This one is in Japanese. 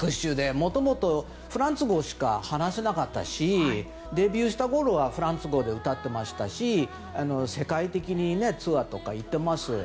もともとフランス語しか話せなかったしデビューしたころはフランス語で歌ってましたし世界的にツアーとか行ってます。